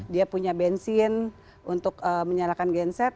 dia punya bensin untuk menyalakan genset